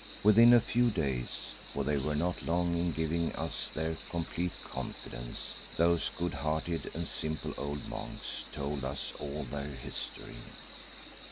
Within a few days for they were not long in giving us their complete confidence those good hearted and simple old monks told us all their history.